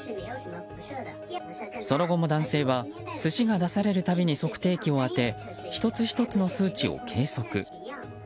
その後も男性は寿司が出されるたびに測定器を当て１つ１つの数値を計測。